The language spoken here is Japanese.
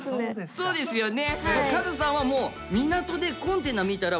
そうですよね。